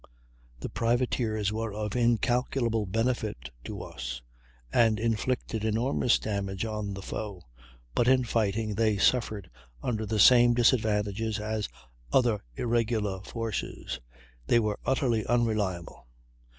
The privateers were of incalculable benefit to us, and inflicted enormous damage on the foe; but in fighting they suffered under the same disadvantages as other irregular forces; they were utterly unreliable.